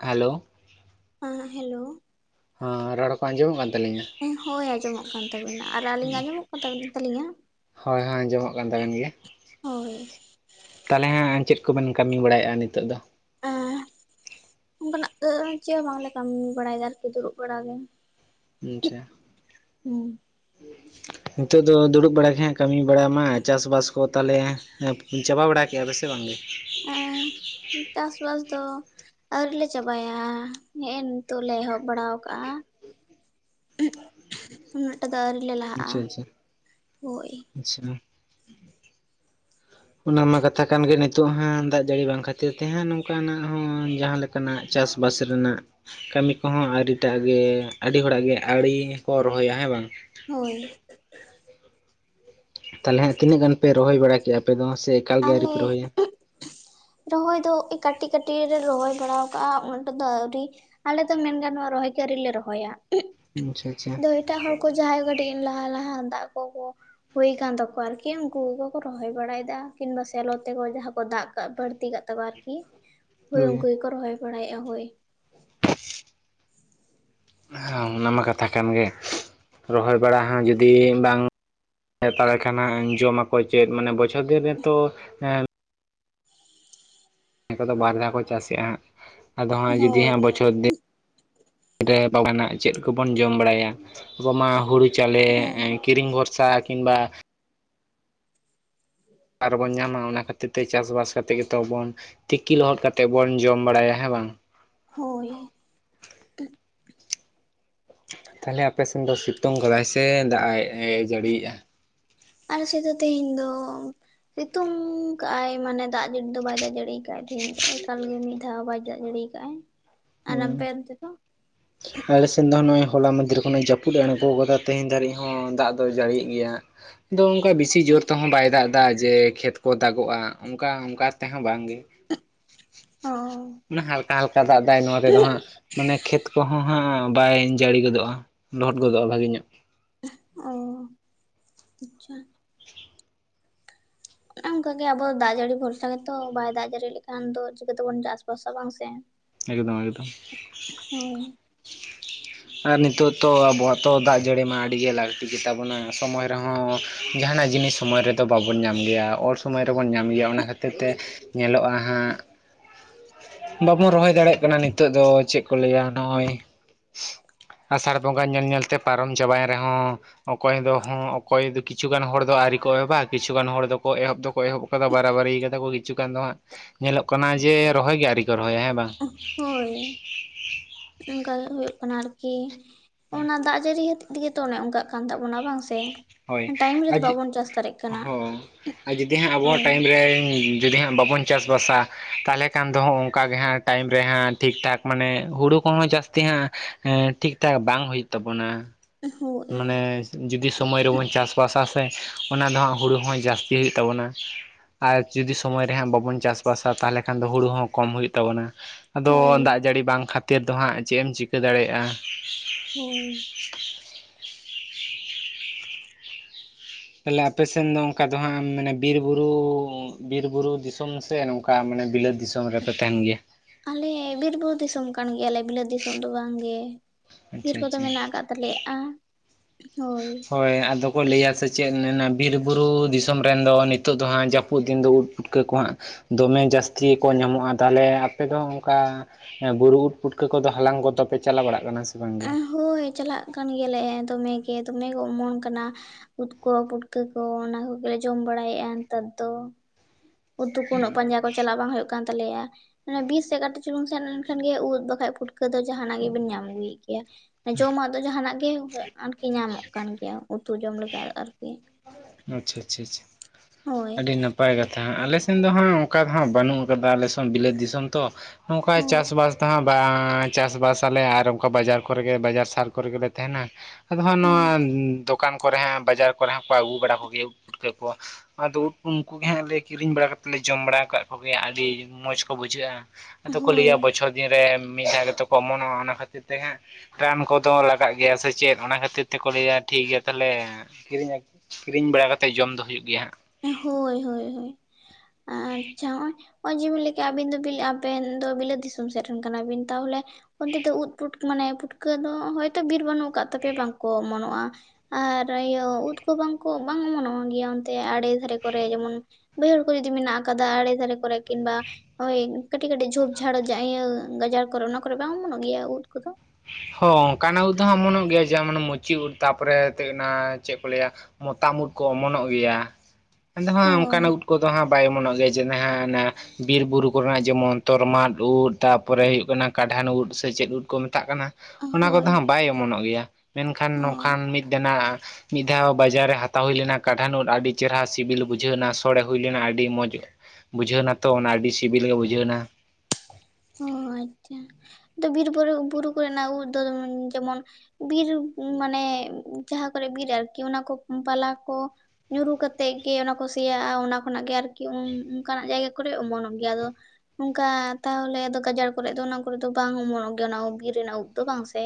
Hello ᱦᱮᱸ hello ᱦᱮᱸ ᱨᱚᱲ ᱠᱚ ᱟᱸᱡᱚᱢᱚᱜ ᱠᱟᱱ ᱛᱟᱹᱞᱤᱧᱟ? ᱦᱳᱭ ᱟᱸᱡᱚᱢᱚᱜ ᱠᱟᱱ ᱛᱟᱵᱤᱱᱟ, ᱟᱨ ᱟᱹᱞᱤᱧ ᱟᱸᱡᱚᱢᱚᱜ ᱠᱟᱱ ᱛᱟᱵᱱ ᱛᱟᱹᱞᱤᱧᱟ? ᱦᱳᱭ ᱦᱳᱭ ᱟᱡᱚᱢᱚᱜ ᱠᱟᱱ ᱛᱟᱵᱤᱱ ᱜᱮᱭᱟ᱾ ᱦᱳᱭ ᱛᱟᱦᱚᱞᱮ ᱦᱟᱸᱟ ᱪᱮᱫ ᱠᱚᱵᱮᱱ ᱠᱟᱹᱢᱤ ᱵᱟᱲᱟᱭᱮᱜᱼᱟ ᱱᱤᱛᱚᱜ ᱫᱚ? ᱚᱱᱠᱟᱱᱟᱜ ᱪᱮᱫ ᱦᱚᱸ ᱵᱟᱝᱞᱮ ᱠᱟᱹᱢᱤ ᱵᱟᱲᱟᱭᱮᱫᱟ ᱟᱨᱠᱤ ᱫᱩᱲᱩᱵ ᱵᱟᱲᱟ ᱜᱮ᱾ ᱩ ᱟᱪᱪᱷᱟ᱾ ᱦᱩᱸ ᱱᱤᱛᱳᱜ ᱫᱚ ᱫᱩᱲᱩᱵ ᱵᱟᱲᱟ ᱦᱮ ᱠᱟᱹᱢᱤ ᱵᱟᱲ ᱢᱟ ᱪᱟᱥᱵᱟᱥ ᱠᱚ ᱛᱟᱞᱮ ᱢᱚᱛᱠᱤ [unintelligible] ᱪᱟᱵᱟ ᱵᱟᱲᱟ ᱠᱮᱫᱼᱟ ᱯᱮ ᱥᱮ ᱵᱟᱝᱜᱮ? ᱮᱸ ᱪᱟᱥᱵᱟᱥ ᱫᱚ ᱟᱹᱣᱨᱤᱤᱞ ᱞᱮ ᱪᱟᱵᱟᱭᱟ ᱱᱮᱸ ᱱᱤᱛᱳᱜ ᱞᱮ ᱮᱦᱚᱵ ᱵᱟᱲᱟ ᱟᱠᱟᱟᱜ-ᱟ᱾ ᱩᱱᱟᱹᱜᱴᱟ ᱫᱚ ᱟᱹᱣᱨᱤᱤᱞᱮ ᱟᱪᱪᱷᱟ ᱞᱟᱦᱟᱜ-ᱟ ᱟᱪᱪᱷᱟ ᱦᱳᱭ ᱟᱪᱪᱷᱟ ᱚᱱᱟ ᱢᱟ ᱠᱟᱛᱷᱟ ᱠᱟᱱ ᱜᱮ ᱱᱤᱛᱚᱜ ᱦᱟᱸᱜ ᱫᱟᱜ ᱡᱟᱹᱲᱤ ᱵᱟᱝ ᱠᱷᱟᱹᱛᱤᱨ ᱛᱮ ᱦᱟᱸᱜ ᱱᱚᱝᱠᱟᱱᱟᱜ ᱦᱚᱸ ᱡᱟᱦᱟᱸ ᱞᱮᱠᱟ ᱠᱟᱱᱟ, ᱪᱟᱥᱵᱟᱥ ᱨᱮᱱᱟᱜ ᱠᱟᱹᱢᱤ ᱠᱚᱦᱚᱸ ᱟᱹᱰᱤᱴᱟᱜ ᱜᱮ ᱟᱹᱰᱤ ᱦᱚᱲᱟᱜ ᱜᱮ ᱟᱹᱲᱤ ᱠᱚ ᱨᱚᱦᱚᱭᱟ ᱦᱮᱸ ᱵᱟᱝ? ᱦᱳᱭ᱾ ᱛᱟᱦᱚᱞᱮ ᱛᱤᱱᱟᱹᱜ ᱜᱟᱱ ᱯᱮ ᱨᱚᱦᱚᱭ ᱵᱟᱲᱟ ᱠᱮᱫᱮᱜᱼᱟ ᱟᱯᱮ ᱫᱚ ᱥᱮ ᱮᱠᱟᱞ ᱜᱮ ᱟᱹᱣᱨᱤ ᱟᱞᱮᱻ ᱯᱮ ᱨᱚᱦᱚᱭᱟ ᱨᱚᱦᱚᱭ ᱫᱚ ᱠᱟᱹᱴᱤᱡ ᱠᱟᱹᱴᱤᱡ ᱨᱮ ᱨᱚᱦᱚᱭ ᱵᱟᱲᱟ ᱟᱠᱟᱜᱼᱟ ᱩᱱᱟᱹᱜ ᱠᱚᱫᱚ ᱟᱣᱨᱤ᱾ ᱟᱞᱮ ᱫᱚ ᱢᱮᱱ ᱜᱟᱱᱚᱜᱼᱟ ᱨᱚᱦᱚᱭ ᱜᱮ ᱟᱹᱣᱨᱤᱞᱮ ᱨᱚᱦᱚᱭᱟ᱾ ᱟᱪᱪᱷᱟ ᱟᱪᱪᱷᱟ ᱮᱴᱟᱜ ᱦᱚᱲ ᱠᱚ ᱡᱟᱦᱟᱸᱭ ᱠᱟᱹᱴᱤᱡ ᱞᱟᱦᱟ ᱞᱟᱦᱟ ᱫᱟᱜ ᱠᱚᱠᱚ ᱦᱩᱭ ᱟᱠᱟᱱ ᱛᱟᱠᱚᱣᱟ ᱟᱨᱠᱤ ᱩᱱᱠᱩ ᱜᱮ ᱠᱚ ᱨᱚᱦᱚᱭ ᱵᱟᱲᱟᱭ ᱫᱟ᱾ ᱠᱤᱝᱵᱟ ᱥᱮᱞᱚ ᱛᱮᱠᱚ ᱡᱟᱦᱟᱸ ᱠᱚ ᱫᱟᱜ ᱠᱟᱜ ᱵᱟᱹᱲᱛᱤ ᱠᱟᱜ ᱛᱟᱠᱚᱣᱟ ᱟᱨᱠᱤ ᱦᱚᱭ ᱦᱳᱭ ᱩᱱᱠᱩ ᱠᱚ ᱨᱚᱦᱚᱭ ᱵᱟᱲᱟᱭᱮᱫᱼᱟ ᱦᱳᱭ᱾ ᱦᱮᱸ ᱚᱱᱟᱢᱟ ᱠᱟᱛᱷᱟ ᱠᱟᱱ ᱜᱮ ᱨᱚᱦᱚᱭ ᱵᱟᱲᱟ ᱦᱚᱸ ᱡᱩᱫᱤ ᱵᱟᱝ ᱛᱟᱦᱮᱞᱟ ᱠᱷᱟᱱᱟᱜ ᱡᱚᱢᱟᱠᱚ ᱪᱮᱫ ᱢᱟᱱᱮ ᱵᱚᱪᱷᱚᱨ ᱫᱤᱱ ᱨᱮᱱᱛᱚ ᱚᱠᱚᱭᱠᱚᱫᱚ ᱵᱟᱨ ᱫᱷᱟᱣ ᱠᱚ ᱪᱟᱥᱮᱫ-ᱟ ᱟᱫᱚ ᱦᱟᱸᱜ ᱡᱩᱫᱤ ᱦᱳᱭ ᱦᱟᱸᱜ ᱵᱚᱪᱷᱚᱨ ᱫᱤᱱ ᱨᱮ ᱵᱟᱵᱟᱱᱟ ᱪᱮᱫ ᱠᱚᱵᱚᱱ ᱡᱚᱢ ᱵᱟᱲᱟᱭᱟ ᱟᱵᱚᱢᱟ ᱦᱩᱲᱩ ᱪᱟᱣᱞᱮ ᱦᱳᱭ ᱠᱤᱨᱤᱧ ᱵᱷᱚᱨᱥᱟ ᱠᱤᱝᱵᱟ ᱟᱨ ᱵᱚᱱ ᱧᱟᱢᱟ ᱚᱱᱟ ᱠᱷᱟᱹᱛᱤᱨ ᱛᱮ ᱪᱟᱥᱵᱟᱥ ᱠᱟᱛᱮᱫ ᱜᱮ ᱛᱚ ᱵᱚᱱ ᱛᱤᱠᱤ ᱞᱚᱦᱚᱫ ᱠᱟᱛᱮᱫ ᱵᱚᱱ ᱡᱚᱢ ᱵᱟᱲᱟᱭᱟ ᱦᱮᱸ ᱵᱟᱝ? ᱦᱳᱭ᱾ ᱛᱟᱦᱞᱮ ᱟᱯᱮ ᱥᱮᱱ ᱫᱚ ᱥᱤᱛᱩᱝ ᱠᱮᱫᱟᱭ ᱥᱮ ᱫᱟᱜᱼ ᱮ ᱡᱟᱹᱲᱤᱭᱮᱜᱼᱟ? ᱟᱞᱟ ᱥᱮᱛ ᱫᱚ ᱛᱮᱦᱤᱧ ᱫᱚ ᱥᱤᱛᱩᱝ ᱠᱟᱜᱼ ᱟᱭ, ᱢᱟᱱᱮ ᱫᱟᱜ ᱡᱟᱹᱲᱤ ᱫᱚ ᱵᱟᱭ ᱫᱟᱜ ᱡᱟᱹᱲᱤ ᱛᱮᱦᱮᱧ ᱫᱚ ᱮᱠᱟᱞ ᱜᱮ ᱢᱤᱫ ᱫᱷᱟᱣ ᱵᱟᱭ ᱫᱟᱜ ᱡᱟᱹᱲᱤ ᱠᱟᱜᱟᱭ, ᱟᱨ ᱟᱯᱮ ᱚᱱᱛᱮ ᱫᱚ? ᱦ ᱟᱞᱮ ᱥᱮᱱ ᱫᱚ ᱱᱚᱜ-ᱚᱭ ᱦᱚᱞᱟ ᱢᱟᱫᱷᱤᱨ ᱠᱷᱚ ᱡᱟᱹᱯᱩᱫ ᱮ ᱟᱬᱜᱚ ᱟᱠᱟᱫᱟ ᱛᱮᱦᱤᱧ ᱫᱷᱟᱹᱨᱤᱡ ᱦᱚᱸ ᱫᱟᱜ ᱫᱚ ᱡᱟᱹᱲᱤᱜ ᱜᱮᱭᱟ᱾ ᱫᱚ ᱚᱱᱠᱟ ᱵᱮᱥᱤ ᱡᱳᱨ ᱛᱮᱦᱚᱸ ᱵᱟᱭ ᱫᱟᱜ ᱮᱫᱟ ᱡᱮ ᱠᱷᱮᱛ ᱠᱚ ᱫᱟᱜᱚᱜᱼᱟ ᱚᱱᱠᱟ, ᱚᱱᱠᱟ ᱛᱮᱦᱚᱸ ᱵᱟᱝᱜᱮ, ᱚ ᱚᱱᱟ ᱦᱟᱞᱠᱟ ᱦᱟᱞᱠᱟ ᱫᱟᱜ ᱮᱟᱭ ᱱᱚᱣᱟ ᱛᱮᱫᱚ ᱦᱟᱸᱜ ᱢᱟᱱᱮ ᱠᱷᱮᱛ ᱠᱚᱦᱚᱸ ᱦᱟᱸᱜ ᱵᱟᱭ ᱡᱟᱹᱲᱤ ᱜᱚᱫᱚᱜᱼᱟ, ᱞᱚᱦᱚᱫ ᱜᱚᱫᱚᱜᱼᱟ, ᱵᱷᱟᱜᱤ ᱧᱚᱜ᱾ ᱚᱻ ᱟᱪᱪᱷᱟ᱾ ᱚᱱᱮ ᱚᱱᱠᱟᱜᱮ ᱟᱵᱚ ᱫᱟᱜ ᱡᱟᱹᱲᱤ ᱵᱷᱚᱨᱥᱟ ᱜᱮᱛᱚ ᱵᱟᱭ ᱫᱟᱜ ᱡᱟᱹᱲᱤ ᱞᱮᱠᱷᱟᱱ ᱫᱚ, ᱪᱤᱠᱟᱹᱛᱮᱵᱚᱱ ᱪᱟᱥᱵᱟᱥᱟ ᱵᱟᱝ ᱥᱮ? ᱮᱠᱫᱚᱢ ᱮᱠᱫᱚᱢ᱾ ᱦᱳᱭ ᱟᱨ ᱱᱤᱛᱚᱜ ᱛᱚ ᱟᱵᱚᱣᱟᱜ ᱛᱚ ᱫᱟᱜ ᱡᱟᱹᱲᱤ ᱢᱟ ᱟᱹᱰᱤᱜᱮ ᱞᱟᱹᱠᱛᱤ ᱜᱮᱛᱟ ᱵᱚᱱᱟ ᱥᱚᱢᱚᱭ ᱨᱮᱦᱚᱸ ᱡᱟᱦᱟᱱᱟᱜ ᱡᱤᱱᱤᱥ ᱥᱚᱢᱚᱭ ᱨᱮᱫᱚ ᱵᱟᱵᱚᱱ ᱧᱟᱢ ᱜᱮᱭᱟ ᱚᱨ ᱥᱚᱢᱚᱭ ᱨᱮᱵᱚᱱ ᱧᱟᱢ ᱜᱮᱭᱟ ᱚᱱᱟ ᱠᱷᱟᱹᱛᱤᱨ ᱛᱮ ᱧᱮᱞᱚᱜᱼᱟ ᱦᱟᱸᱜ ᱵᱟᱵᱚᱱ ᱨᱚᱦᱚᱭ ᱫᱟᱲᱮᱭᱟᱜ ᱠᱟᱱᱟ ᱱᱤᱛᱚᱜ ᱫᱚ, ᱪᱮᱫ ᱠᱚ ᱞᱟᱹᱭᱟ ᱱᱚᱜᱼᱚᱭ ᱟᱥᱟᱲ ᱵᱚᱸᱜᱟ ᱧᱮᱞ ᱧᱮᱞᱛᱮ ᱯᱟᱨᱚᱢ ᱪᱟᱵᱟᱭᱮᱱ ᱨᱮᱦᱚᱸ ᱚᱠᱚᱭ ᱫᱚ ᱦᱚ ᱚᱠᱚᱭ ᱫᱚ ᱠᱤᱪᱷᱩᱩᱜᱟᱱ ᱦᱚᱲ ᱫᱚ ᱟᱹᱣᱨᱤ ᱠᱚ ᱮᱦᱚᱵᱟ, ᱠᱤᱪᱷᱩ ᱜᱟᱱ ᱦᱚᱲ ᱫᱚᱠᱚ ᱮᱦᱚᱵ ᱫᱚᱠᱚ ᱮᱦᱚᱵ ᱠᱚᱫᱚ ᱵᱟᱨᱟ ᱵᱟᱨᱤ ᱠᱟᱛᱷᱟ ᱠᱚ ᱠᱤᱪᱩ ᱠᱟᱱ ᱫᱚ ᱦᱟᱸᱜ ᱧᱮᱞᱚᱜ ᱠᱟᱱᱟ ᱡᱮ ᱨᱚᱦᱚᱭ ᱜᱮᱭᱟ ᱟᱹᱣᱨᱤ ᱠᱚ ᱨᱚᱦᱚᱭᱟ ᱦᱮᱸ ᱵᱟᱝ? ᱦᱳᱭ ᱚᱱᱠᱟ ᱜᱮ ᱦᱩᱭᱩᱜ ᱠᱟᱱᱟ ᱟᱨᱠᱤ ᱚᱱᱟ ᱫᱟᱜ ᱡᱟᱹᱲᱤ ᱠᱷᱟᱛ ᱛᱮᱜᱮ ᱛᱚ ᱚᱱᱮ ᱚᱱᱠᱟᱜ ᱠᱟᱱ ᱛᱟᱵᱚᱱᱟ ᱵᱟᱝ ᱥᱮ ᱴᱟᱭᱤᱢ ᱨᱮᱫᱚ ᱵᱟᱵᱚᱱ ᱪᱟᱥ ᱫᱟᱲᱮᱭᱟᱜ ᱠᱟᱱᱟ ᱦᱚᱸ ᱟᱨ ᱡᱩᱫᱤ ᱦᱟᱸᱜ ᱟᱵᱚᱣᱟᱜ ᱦᱳᱭ ᱴᱟᱭᱤᱢ ᱨᱮ ᱡᱩᱫᱤ ᱦᱟᱸᱜ ᱵᱟᱵᱚᱱ ᱪᱟᱥᱵᱟᱥᱟ ᱛᱟᱦᱚᱞᱮ ᱠᱷᱟᱱ ᱫᱚᱜ ᱚᱱᱠᱟᱟᱜ ᱜᱮ ᱦᱟᱸᱜ ᱴᱟᱭᱤᱢ ᱨᱮ ᱦᱟᱸᱜ ᱴᱷᱤᱠ ᱴᱷᱟᱠ ᱢᱟᱱᱮ ᱦᱩᱲᱩ ᱠᱚᱦᱚᱸ ᱡᱟᱹᱥᱛᱤ ᱦᱟᱸᱜ ᱦᱮᱸ ᱴᱷᱤᱠ ᱴᱷᱟᱠ ᱵᱟᱝ ᱦᱩᱭᱩᱜ ᱛᱟᱵᱚᱱᱟ ᱦᱳᱭ ᱢᱟᱱᱮ ᱡᱩᱫᱤ ᱥᱚᱢᱚᱭ ᱨᱮᱵᱚᱱ ᱪᱟᱥ-ᱵᱟᱥᱟ ᱥᱮ ᱚᱱᱟ ᱫᱚ ᱦᱟᱸᱜ ᱦᱩᱲᱩ ᱦᱚᱸ ᱡᱟᱹᱥᱛᱤ ᱦᱩᱭᱩᱜ ᱛᱟᱵᱚᱱᱟ᱾ ᱟᱨ ᱡᱩᱫᱤ ᱥᱚᱢᱚᱭ ᱨᱮᱦᱟᱸᱜ ᱵᱟᱵᱚᱱ ᱪᱟᱥᱵᱟᱥᱟ ᱛᱟᱦᱚᱞᱮ ᱠᱷᱟᱱ ᱫᱚ ᱦᱩᱲᱩ ᱦᱚᱸ ᱠᱚᱢ ᱦᱩᱭᱩᱜ ᱛᱟᱵᱚᱱᱟ᱾ ᱟᱫᱚ ᱦᱳᱭ ᱫᱟᱜ ᱡᱟᱹᱲᱤ ᱵᱟᱝ ᱠᱷᱟᱹᱛᱤᱨ ᱫᱚ ᱦᱟᱸᱜ ᱪᱮᱫ ᱮᱢ ᱪᱤᱠᱟᱹ ᱫᱟᱲᱮᱭᱟᱜᱼᱟ᱾ ᱦᱳᱭ᱾ ᱛᱟᱦᱞᱮ ᱟᱯᱮ ᱥᱮᱱ ᱫᱚ ᱚᱱᱠᱟ ᱫᱚ ᱦᱟᱸᱜ ᱢᱟᱱᱮ ᱵᱤᱨ ᱵᱩᱨᱩ, ᱵᱤᱨ ᱵᱩᱨᱩ ᱫᱤᱥᱚᱢ ᱥᱮ ᱱᱚᱝᱠ ᱚᱱᱠᱟ ᱢᱟᱱᱮ ᱵᱤᱞᱟᱹᱛ ᱫᱤᱥᱚᱢ ᱨᱮᱯᱮ ᱛᱟᱦᱮᱱ ᱜᱮᱭᱟ? ᱟᱞᱮ ᱵᱤᱨ ᱵᱩᱨᱩ ᱫᱤᱥᱚᱢ ᱠᱟᱱ ᱜᱮᱭᱟᱞᱮ ᱵᱤᱞᱟᱹᱛ ᱫᱤᱥᱚᱢ ᱫᱚ ᱵᱟᱝᱜᱮ᱾ ᱟᱪᱪᱷᱟ ᱵᱤᱨ ᱠᱚᱫᱚ ᱟᱪᱪᱷᱟ ᱢᱮᱱᱟᱜ ᱟᱠᱟᱫ ᱛᱟᱞᱮᱭᱟᱼᱟ᱾ ᱦᱳᱭ ᱦᱳᱭ ᱟᱫᱚ ᱠᱚ ᱞᱟᱹᱭᱟ ᱥᱮ ᱪᱮᱫ ᱢᱮᱱᱼᱟ ᱵᱤᱨ ᱵᱩᱨᱩ ᱫᱤᱥᱚᱢ ᱨᱮᱱ ᱫᱚ ᱱᱤᱛᱚᱜ ᱫᱚ ᱦᱟᱸᱜ ᱡᱟᱹᱯᱩᱫ ᱫᱤᱱ ᱫᱚ ᱩᱫ ᱯᱩᱴᱠᱟᱹ ᱠᱚᱦᱟᱸᱜ ᱫᱚᱢᱮ ᱡᱟᱹᱥᱛᱤ ᱠᱚ ᱧᱟᱢᱚᱜᱼᱟ᱾ ᱛᱟᱦᱚᱞᱮ ᱟᱯᱮ ᱫᱚ ᱚᱱᱠᱟ ᱵᱩᱨᱩ ᱩᱫ ᱯᱩᱴᱠᱟᱹ ᱠᱚᱫᱚ ᱦᱟᱞᱟᱝ ᱠᱚᱫᱚ ᱯᱮ ᱪᱟᱞᱟ ᱵᱟᱲᱟᱜ ᱠᱟᱱᱟ ᱥᱮ? ᱵᱟᱝᱜᱮ? ᱦᱳᱭ ᱪᱟᱞᱟᱜ ᱠᱟᱱ ᱜᱮᱭᱟᱞᱮ ᱫᱚᱢᱮᱜᱮ ᱫᱚᱢᱮᱜᱮ ᱚᱢᱚᱱ ᱠᱟᱱᱟ᱾ ᱩᱫ ᱠᱚ ᱯᱩᱴᱠᱟᱹ ᱠᱚ ᱚᱱᱟ ᱠᱚᱜᱮᱞᱮ ᱡᱚᱢ ᱵᱟᱲᱟᱭᱮᱫᱼᱟ ᱱᱮᱛᱟᱨ ᱫᱚ᱾ ᱩᱛᱩ ᱠᱚ ᱩᱱᱟᱹ ᱯᱟᱸᱡᱟ ᱠᱚ ᱪᱟᱞᱟᱜ ᱵᱟᱝ ᱦᱩᱭᱩᱜ ᱠᱟᱱ ᱛᱟᱞᱮᱭᱟ ᱢᱟᱱᱮ ᱵᱤᱥ ᱥᱮ ᱮᱜᱟᱨᱴᱟ ᱵᱤᱨ ᱥᱮᱱ ᱠᱟ. ᱴᱤᱪ ᱪᱩᱞᱩᱝ ᱪᱩᱞᱩᱝ ᱥᱮᱱ ᱞᱮᱱᱠᱷᱟᱱ ᱜᱮ ᱩᱫ ᱵᱟᱠᱷᱟᱡ ᱯᱷᱩᱴᱠᱟᱹ ᱫᱚ ᱡᱟᱦᱟᱱᱟᱜ ᱜᱮᱵᱤᱱ ᱧᱟᱢ ᱟᱹᱜᱩᱭᱮᱫ ᱜᱮᱭᱟ᱾ ᱡᱚᱢᱟᱜ ᱫᱚ ᱡᱟᱦᱟᱱᱟᱜ ᱜᱮ ᱟᱨᱠᱤ ᱧᱟᱢᱚᱜ ᱠᱟᱱ ᱜᱮᱭᱟ ᱩᱛᱩ ᱡᱚᱢ ᱞᱮᱠᱟ ᱟᱨᱠᱤ᱾ ᱟᱪᱪᱷᱟ ᱪᱷᱟ ᱪᱷᱟ ᱦᱳᱭ ᱟᱹᱰᱤ ᱱᱟᱯᱟᱭ ᱠᱟᱛᱷᱟ ᱟᱞᱮᱥᱮ ᱥᱮᱱ ᱫᱚ ᱦᱟᱸᱜ ᱚᱱᱠᱟ ᱫᱚ ᱦᱟᱸᱜ ᱵᱟᱹᱱᱩᱜ ᱟᱠᱟᱫᱟ ᱟᱞᱮᱮᱥ ᱵᱤᱞᱟᱹᱛ ᱫᱤᱥᱚᱢ ᱛᱚ ᱱᱚᱝᱠᱟ ᱦᱳᱭ ᱪᱟᱥ-ᱵᱟᱥ ᱚᱛ ᱦᱚᱸᱚ ᱵᱟᱝ ᱪᱟᱥᱵᱟᱥ ᱟᱞᱮ ᱟᱨ ᱚᱱᱠᱟ ᱵᱟᱡᱟᱨ ᱠᱚᱨᱮᱜᱮ ᱵᱟᱡᱟᱨ ᱥᱟᱨ ᱠᱚᱨᱮ ᱜᱮᱞᱮ ᱛᱟᱦᱮᱸᱱᱟ᱾ ᱦᱳᱭ ᱟᱫᱚᱱᱟ ᱦᱟᱸᱜ ᱫᱚᱠᱟᱱ ᱠᱚᱨᱮ ᱦᱚᱸ ᱵᱟᱡᱟᱨ ᱠᱚᱨᱮ ᱦᱚᱸ, ᱠᱚ ᱟᱹᱜᱩ ᱵᱟᱲᱟ ᱠᱚᱜᱮᱭᱟ ᱩᱫᱽ ᱯᱩᱴᱠᱟᱹ ᱠᱚ᱾ ᱟᱫᱚ ᱩᱫ ᱩᱱᱠᱩ ᱜᱮᱦᱟᱸᱜᱞᱮ ᱠᱤᱨᱤᱧ ᱵᱟᱲᱟ ᱠᱟᱛᱮᱫ ᱞᱮ ᱡᱚᱢ ᱵᱟᱲᱟ ᱟᱠᱟᱫ ᱠᱚᱜᱮᱭᱟ ᱟᱹᱰᱤ ᱢᱚᱸᱡᱽ ᱠᱚ ᱵᱩᱡᱷᱟᱹᱜᱼᱟ᱾ ᱟᱫᱚ ᱠᱚ ᱦᱳᱭ ᱞᱟᱹᱭᱟ ᱵᱚᱪᱷᱚᱨ ᱫᱤᱱ ᱨᱮ ᱢᱤᱫ ᱫᱷᱟᱣ ᱜᱮᱛᱚ ᱠᱚ ᱚᱢᱚᱱᱚᱜᱼᱟ ᱚᱱᱟ ᱠᱷᱟᱹᱛᱤᱨ ᱛᱮ ᱦᱟᱸᱜ ᱨᱟᱱ ᱠᱚᱫᱚ ᱞᱟᱜᱟᱜ ᱜᱮᱭᱟ ᱥᱮ ᱪᱮᱫ ᱚᱱᱟ ᱠᱷᱟᱹᱛᱤᱨ ᱛᱮᱠᱚ ᱞᱟᱹᱭᱟ ᱴᱷᱤᱠ ᱜᱮᱭᱟ ᱛᱟᱦᱚᱞᱮ ᱠᱤᱨᱤᱧ ᱟᱹ ᱠᱤᱨᱤᱧ ᱵᱟᱲᱟ ᱠᱟᱛᱮᱫ ᱡᱚᱢ ᱫᱚ ᱦᱩᱭᱩᱜ ᱜᱮᱭᱟ ᱦᱟᱸᱜ᱾ ᱦᱳᱭ ᱦᱳᱭ ᱦᱳᱭ ᱟᱪᱪᱷᱟ ᱱᱚᱜᱼᱚᱭ ᱱᱚᱜᱼᱚᱭ ᱡᱮ ᱵᱮᱱ ᱞᱮᱭ ᱠᱮᱫ ᱟᱹᱵᱤᱱ ᱫᱚ ᱵᱤᱞᱟ. ᱟᱵᱮᱱ ᱫᱚ ᱵᱤᱞᱟᱹᱛ ᱫᱤᱥᱚᱢ ᱥᱮᱫ ᱨᱮᱱ ᱠᱟᱱᱟ ᱵᱤᱱ ᱛᱟᱦᱚᱞᱮ ᱚᱱᱛᱮ ᱫᱚ ᱩᱫ ᱯᱩᱴᱠᱟᱹ ᱢᱟᱱᱮ ᱯᱩᱴᱠᱟᱹ ᱫᱚ ᱦᱚᱳᱭᱛᱳ ᱵᱤᱨ ᱵᱟᱹᱱᱩᱜ ᱠᱟᱫ ᱛᱟᱯᱮᱭᱟ ᱵᱟᱝᱠᱚ ᱚᱢᱚᱱᱚᱜᱼᱟ᱾ ᱟᱨ ᱤᱭᱟᱹ ᱩᱫ ᱠᱚ ᱵᱟᱝ ᱠᱚ ᱵᱟᱝ ᱚᱢᱚᱱᱚᱜ ᱜᱮᱭᱟ ᱚᱱᱛᱮ ᱟᱲᱮ ᱫᱷᱟᱨᱮ ᱠᱚᱨᱮ ᱡᱮᱢᱚᱱ ᱵᱟᱹᱭᱦᱟᱹᱲ ᱠᱚ ᱡᱩᱫᱤ ᱢᱮᱱᱟᱜ ᱟᱠᱟᱫᱟ ᱟᱲᱮ ᱫᱷᱟᱨᱮ ᱠᱚᱨᱮ ᱠᱤᱝᱵᱟ ᱳᱭ ᱠᱟᱹᱴᱤᱡ ᱠᱟᱹᱴᱤᱡ ᱡᱷᱩᱯ ᱡᱷᱟᱲ ᱤᱭᱟᱹ ᱜᱟᱡᱟᱲ ᱠᱚᱨᱮ ᱚᱱᱟ ᱠᱚᱨᱮ ᱵᱟᱝ ᱚᱢᱚᱱᱚᱜ ᱜᱮᱭᱟ ᱩᱫ ᱠᱚᱫᱚ᱾ ᱦᱚᱸ ᱚᱱᱠᱟᱱᱟᱜ ᱩᱫ ᱫᱚ ᱚᱢᱚᱱᱚᱜ ᱜᱮᱭᱟ ᱡᱮᱢᱚᱱ ᱢᱩᱪᱤ ᱩᱫ ᱛᱟᱯᱚᱨᱮ ᱛᱮᱜ ᱚᱱᱟ ᱪᱮᱫ ᱠᱚ ᱞᱟᱹᱭᱟ᱾ ᱢᱚᱛᱟᱢ ᱩᱫ ᱠᱚ ᱚᱢᱚᱱᱚᱜ ᱜᱮᱭᱟ ᱮᱱ ᱫᱚᱦᱟᱜ ᱚᱱᱠᱟᱱᱟᱜ ᱩᱫ ᱩᱫ ᱠᱚᱫᱚ ᱦᱟᱸ ᱵᱟᱭ ᱚᱢᱚᱱᱚᱜ ᱜᱮᱭᱟ ᱡᱮ ᱱᱟᱦᱟ ᱚᱱᱟ ᱵᱤᱨ ᱵᱩᱨᱩ ᱠᱚᱨᱮᱱᱟᱜ ᱡᱮᱢᱚᱱ ᱛᱚᱨᱢᱟᱫ ᱩᱫ ᱛᱟᱨ ᱯᱚᱨᱮ ᱦᱩᱭᱩᱜ ᱠᱟᱱᱟ ᱠᱟᱰᱷᱟᱱ ᱩᱫ᱾ ᱥᱮ ᱪᱮᱫ ᱩᱫ ᱠᱚ ᱢᱮᱛᱟᱜ ᱠᱟᱱᱟ? ᱢᱮᱛᱟᱜ ᱠᱟᱱᱟ ᱚ ᱚᱱᱟ ᱠᱚᱫᱚ ᱦᱳᱭ ᱦᱟᱸᱜ ᱵᱟᱭ ᱚᱢᱚᱱᱚᱜ ᱜᱮᱭᱟ ᱢᱮᱱ ᱠᱷᱟᱱ ᱚ ᱱᱚᱝᱠᱟᱱ ᱱᱤᱫ ᱫᱚ ᱦᱟᱸᱜ ᱢᱤᱫ ᱫᱷᱟᱣ ᱵᱟᱡᱟᱨ ᱨᱮ ᱦᱟᱛᱟᱣ ᱦᱩᱭ ᱞᱮᱱᱟ ᱠᱟᱰᱷᱟᱱ ᱩᱫ ᱟᱹᱰᱤ ᱪᱮᱦᱨᱟ ᱥᱤᱵᱤᱞ ᱵᱩᱡᱷᱟᱹᱣᱱᱟ ᱥᱚᱲᱮ ᱦᱩᱭ ᱞᱮᱱᱟ ᱟᱹᱰᱤ ᱢᱚᱡᱽ᱾ ᱵᱩᱡᱷᱟᱹᱣ ᱮᱱᱟ ᱛᱚ ᱚᱱᱟ ᱟᱹᱰᱤ ᱥᱤᱵᱤᱞ ᱜᱮ ᱵᱩᱡᱷᱟᱹᱣ ᱮᱱᱟ᱾ ᱚ ᱟᱪᱪᱷᱟ ᱛᱚ ᱵᱤᱨ ᱵᱩᱨᱩ ᱵᱩᱨᱩ ᱠᱚᱨᱮᱱᱟᱜ ᱩᱫ ᱫᱚ ᱡᱮᱢᱚᱱ ᱵᱤᱨ ᱢᱟᱱᱮ ᱡᱟᱦᱟᱸ ᱠᱚᱨᱮ ᱵᱤᱨ ᱟᱨᱠᱤ ᱚᱱᱟ ᱠᱚ ᱯᱟᱞᱟ ᱠᱚ ᱧᱩᱨᱩ ᱠᱟᱛᱮᱫ ᱜᱮ ᱚᱱᱟ ᱠᱚ ᱥᱮᱭᱟᱜᱼᱟ ᱚᱱᱟ ᱠᱷᱚᱱᱟᱜ ᱜᱮ ᱟᱨᱠᱤ ᱚᱱᱠᱟᱱᱟᱜ ᱡᱟᱭᱜᱟ ᱠᱚᱨᱮ ᱚᱢᱚᱱᱚᱜ ᱜᱮᱭᱟ᱾ ᱟᱫᱚ ᱚᱱᱠᱟ ᱛᱟᱦᱚᱞᱮ ᱜᱟᱡᱟᱲ ᱠᱚᱨᱮ ᱫᱚ ᱚᱱᱟ ᱠᱚᱨᱮ ᱫᱚ ᱵᱟᱝ ᱚᱢᱚᱱᱚᱜ ᱜᱮᱭᱟ ᱚᱱᱟ ᱵᱤᱨ ᱨᱮᱱᱟᱜ ᱩᱫ ᱫᱚ ᱵᱟᱝ ᱥᱮ